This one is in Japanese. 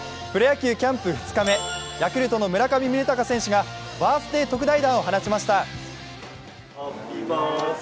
プロ野球キャンプ２日目、ヤクルトの村上選手がバースデー特大弾を放ちました。